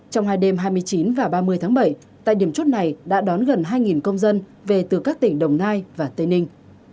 trong hai đêm hai mươi chín và ba mươi tháng bảy tại điểm chốt này đã đón gần hai công dân về từ các tỉnh đồng nai và tây ninh